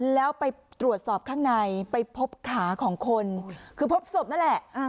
แล้วไปตรวจสอบข้างในไปพบขาของคนคือพบศพนั่นแหละ